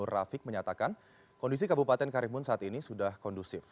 rafiq menyatakan kondisi kabupaten karimun saat ini sudah kondusif